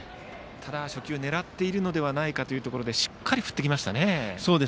ただ、初球狙っているのではないかというところでしっかり振ってきましたね。